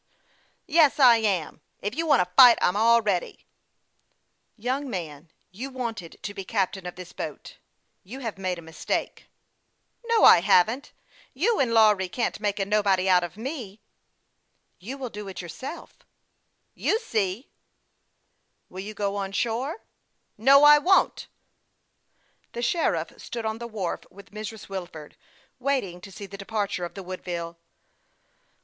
" Yes, I am ; if you want to fight, I'm all ready." " Young man, you wanted to be captain of this boat ; you have made a mistake." " Xo, I haven't. You and Lawry can't make a nobody out of me." THE YOUNG PILOT OF LAKE CHAMPLAIN.' 235 " You will do it yourself." " You see." " Will you go on shore ?"" No, I won't." The sheriff stood on the wharf with Mrs. Wilford, waiting to see the departure of the Woodville.